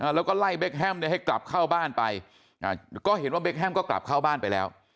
แล้วก็ไล่เบคแฮมให้กลับเข้าบ้านไปก็เห็นว่าเบคแฮมก็กลับเข้าบ้านไปแล้ว